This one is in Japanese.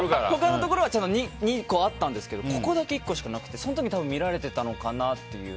他のところは２個あったんですけどここだけ１個しかなくてその時多分見られてたのかなって。